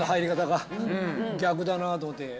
だなと思って。